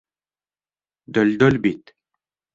Дөлдөл бит...